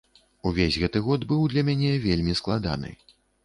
Увесь гэты год быў для мяне вельмі складаны.